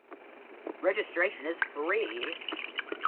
Registration is free.